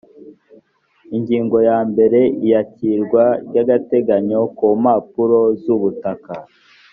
ingingo ya mbere iyakirwa ry agateganyo kumpapuro zubutaka